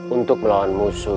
untuk melawan musuh